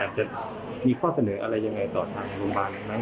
หากจะมีข้อเสนออะไรยังไงต่อถ่ายโรงพยาบาล